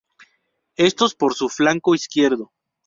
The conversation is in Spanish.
Estos por su flanco izquierdo.